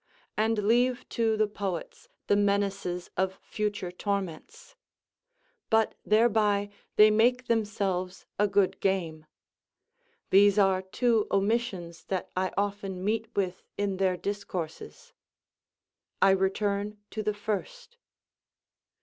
and leave to the poets the menaces of future torments. But thereby they make themselves a good game. These are two omissions that I often meet with in their discourses. I return to the first.